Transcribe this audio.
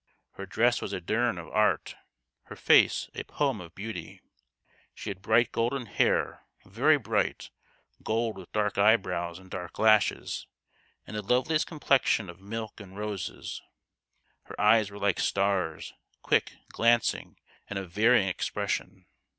Her dress was a drearn of art ; her face a poe'm of beauty. She 1 70 THE GHOST OF THE PAST. had bright golden hair very bright gold with dark eyebrows and dark lashes, and the loveliest complexion of milk and roses. Her eyes were like stars, quick, glancing, and of varying expression.